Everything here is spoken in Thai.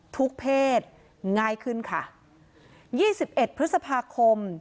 เพศง่ายขึ้นค่ะยี่สิบเอ็ดพฤษภาคม